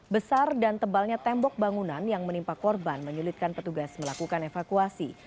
besar dan tebalnya tembok bangunan yang menimpa korban menyulitkan petugas melakukan evakuasi